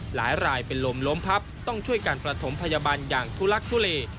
หลายรายเป็นลมล้มพับต้องช่วยการประถมพยาบาลอย่างทุลักทุเล